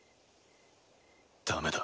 ダメだ。